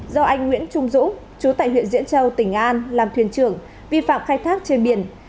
do anh nguyễn trung dũng chú tại huyện diễn châu tỉnh an làm thuyền trưởng vi phạm khai thác trên biển